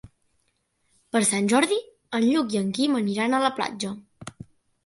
Per Sant Jordi en Lluc i en Guim aniran a la platja.